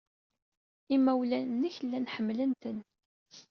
Imawlan-nnek llan ḥemmlen-ten.